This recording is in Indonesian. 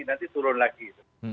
nanti turun lagi